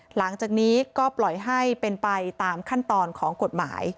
หลังจากนี้ก็ปล่อยให้เป็นไปตามขั้นตอนของกฎหมาย